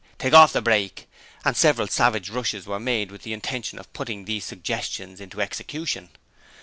'Take the brake off!' and several savage rushes were made with the intention of putting these suggestions into execution.